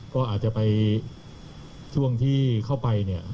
ก็อาจจะไปช่วงที่เข้าไปเนี่ย